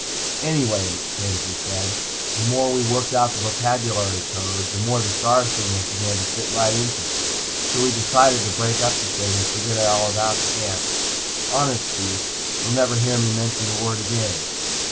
"Anyway," Kenzie said. "The more we worked out the vocabulary code, the more the star signals began to fit right into it. So we decided to break up the thing, and forget all about ants. Honest Chief, you'll never hear me mention the word again."